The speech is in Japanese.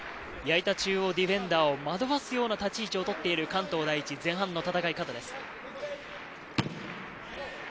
矢板中央ディフェンダーを惑わすような立ち位置を取っている関東第一、前半の戦い方です。